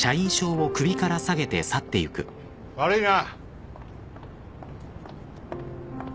悪いな。